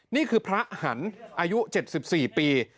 นี่คือพระหันอายุ๗๔ปี